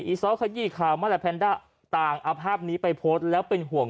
อซอสขยี้ข่าวมาและแพนด้าต่างเอาภาพนี้ไปโพสต์แล้วเป็นห่วง